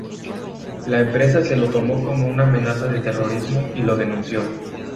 La empresa se lo tomó como una amenaza de terrorismo y lo denunció.